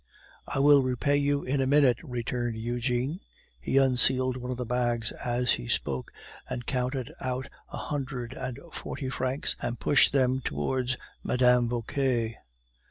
"I will repay you in a minute," returned Eugene. He unsealed one of the bags as he spoke, counted out a hundred and forty francs, and pushed them towards Mme. Vauquer.